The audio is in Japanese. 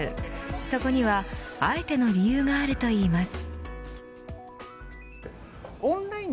そこにはあえての理由があるといいます。